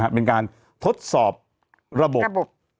เป็นการทดสอบระบบระบบ